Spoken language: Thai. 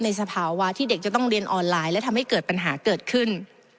สภาวะที่เด็กจะต้องเรียนออนไลน์และทำให้เกิดปัญหาเกิดขึ้น